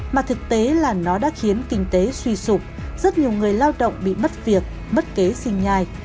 mà thực tế là nó đã khiến kinh tế suy sụp rất nhiều người lao động bị mất việc mất kế sinh nhai